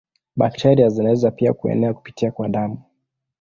Bakteria zinaweza pia kuenea kupitia kwa damu.